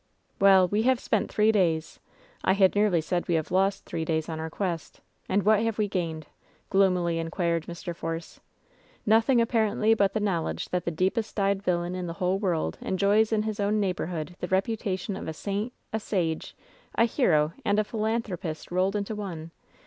*Well, we have spent three days — ^I had nearly said we have lost three days on our quest — and what have we gained ?" gloomily inquired Mr. Force. "Nothing ap parently but the knowledge that the deepest dyed villain in the whole world enjoys in his own neighborhood the reputation of a saint, a sage, a hero and a philanthropist rolled into one